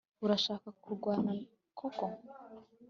Urashaka kurwana koko